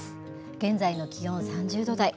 現在の気温、３０度台。